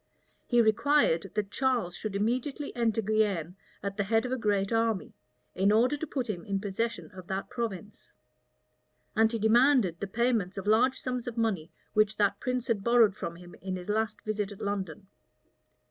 He required that Charles should immediately enter Guienne at the head of a great army, in order to put him in possession of that province; and he demanded the payments of large sums of money which that prince had borrowed from him in his last visit at London.